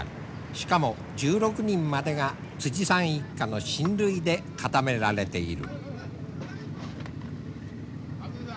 しかも１６人までがさん一家の親類で固められている。